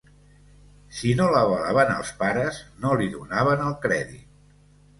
Si no l'avalaven els pares no li donaven el crèdit.